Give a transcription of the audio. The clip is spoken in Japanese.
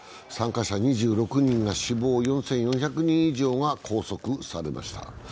参加者２６人が死亡、４４００人以上が拘束されました。